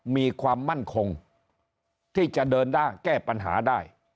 มีความมั่นคงที่จะเดินหน้าแก้ปัญหาได้